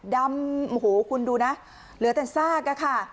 ดำโอ้โหคุณดูนะเหลือแต่ซากอะค่ะ